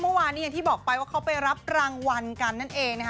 เมื่อวานนี้อย่างที่บอกไปว่าเขาไปรับรางวัลกันนั่นเองนะคะ